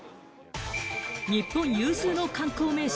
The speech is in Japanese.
日本有数の観光名所